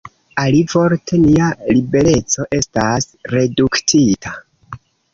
Alivorte, nia libereco estas reduktita.